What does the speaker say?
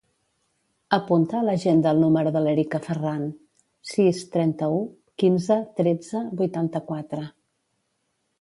Apunta a l'agenda el número de l'Erika Farran: sis, trenta-u, quinze, tretze, vuitanta-quatre.